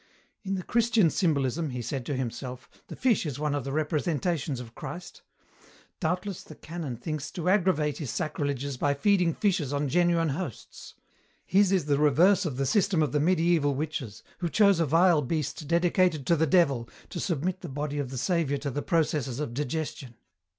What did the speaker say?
"In the Christian symbolism," he said to himself, "the fish is one of the representations of Christ. Doubtless the Canon thinks to aggravate his sacrileges by feeding fishes on genuine hosts. His is the reverse of the system of the mediæval witches who chose a vile beast dedicated to the Devil to submit the body of the Saviour to the processes of digestion.